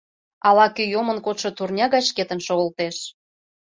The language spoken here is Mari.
Ала-кӧ йомын кодшо турня гай шкетын шогылтеш.